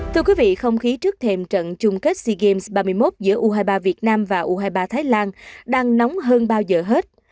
thưa quý vị không khí trước thềm trận chung kết sea games ba mươi một giữa u hai mươi ba việt nam và u hai mươi ba thái lan đang nóng hơn bao giờ hết